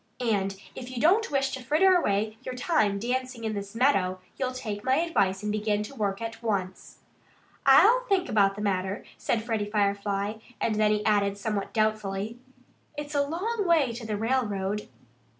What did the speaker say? And if you don't wish to fritter away your time dancing in this meadow, you'll take my advice and begin to work at once." "I'll think about the matter," said Freddie Firefly. And then he added somewhat doubtfully: "It's a long way to the railroad."